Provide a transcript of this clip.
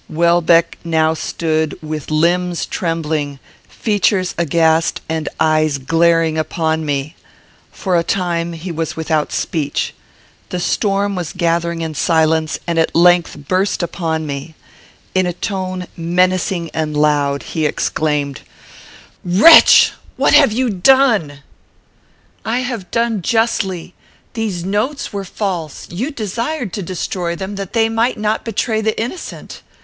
Welbeck now stood, with limbs trembling, features aghast, and eyes glaring upon me. For a time he was without speech. The storm was gathering in silence, and at length burst upon me. In a tone menacing and loud, he exclaimed, "Wretch! what have you done?" "I have done justly. These notes were false. You desired to destroy them, that they might not betray the innocent.